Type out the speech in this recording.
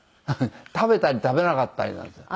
食べたり食べなかったりなんですよ。